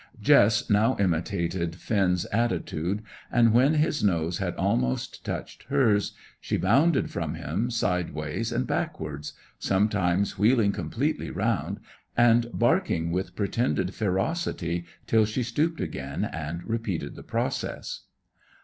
Jess now imitated Finn's attitude, and when his nose had almost touched hers she bounded from him sideways and backwards, sometimes wheeling completely round, and barking with pretended ferocity, till she stooped again and repeated the process.